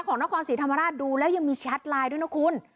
ของนครศรีธรรมราชดูแล้วยังมีแชทไลน์ด้วยนะคุณ